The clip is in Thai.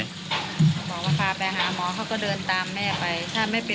บอกว่าพาไปหาหมอเขาก็เดินตามแม่ไป